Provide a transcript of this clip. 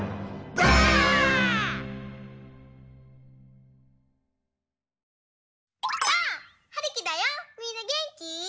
ばあっ！はるきだよみんなげんき？